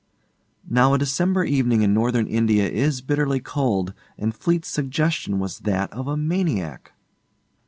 Now a December evening in Northern India is bitterly cold, and Fleete's suggestion was that of a maniac.